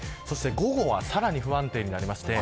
午後はさらに不安定になります。